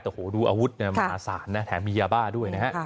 แต่โหดูอาวุธมหาศาลนะแถมมียาบ้าด้วยนะฮะ